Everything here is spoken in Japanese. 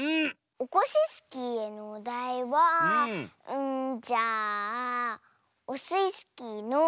オコシスキーへのおだいはうんじゃあオスイスキーのじゃあ「き」。